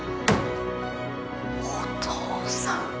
お父さん。